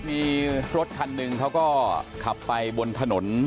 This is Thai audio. มีรถคันหนึ่งเขาก็ขับไปบนถนน